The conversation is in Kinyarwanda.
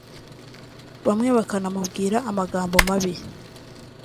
bamwe bakanamubwira amagambo mabi